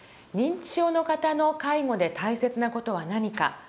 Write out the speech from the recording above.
認知症の方の介護で大切な事は何か。